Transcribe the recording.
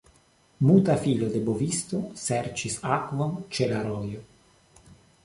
Muta filo de bovisto serĉis akvon ĉe la rojo.